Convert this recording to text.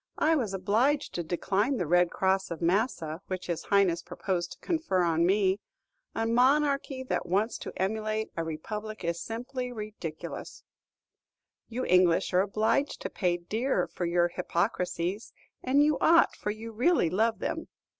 I was obliged to decline the Red Cross of Massa which his Highness proposed to confer on me. A monarchy that wants to emulate a republic is simply ridiculous." "You English are obliged to pay dear for your hypocrisies; and you ought, for you really love them."